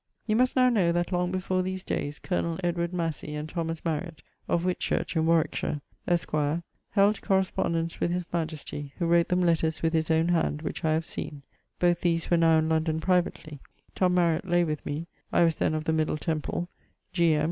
You must now know that long before these dayes, colonel Massey, and Thomas Mariett, of Whitchurch in Warwickshire, esqre, held correspondence with his majestie, who wrote them letters with his owne hand, which I have seen. Both these were now in London privately. Tom Mariett laye with me (I was then of the Middle Temple); G. M.